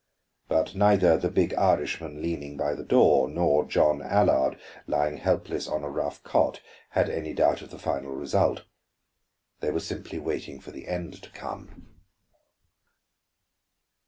But neither the big Irishman leaning by the door, nor John Allard, lying helpless on a rough cot, had any doubt of the final result. They were simply waiting for the end to come.